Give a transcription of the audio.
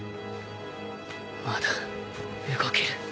まだ動ける